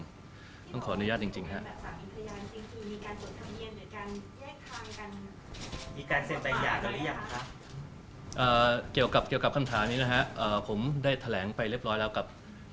ผมขออนุญาตจริงนะครับ